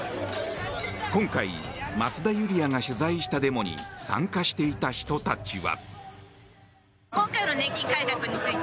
今回、増田ユリヤが取材したデモに参加していた人たちは。